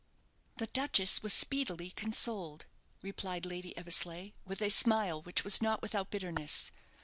"The duchess was speedily consoled," replied Lady Eversleigh, with a smile which was not without bitterness.